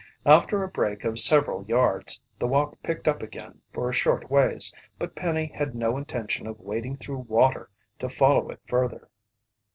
After a break of several yards, the walk picked up again for a short ways, but Penny had no intention of wading through water to follow it further.